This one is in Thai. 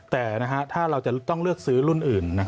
แต่ถ้าเราจะต้องเลือกซื้อรุ่นอื่น